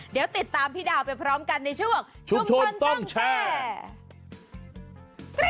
เดี๋ยวติดตามพี่ดาวไปพร้อมกันในช่วงชุมชนต้องแชร์